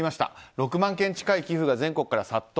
６万件近い寄付が全国から殺到。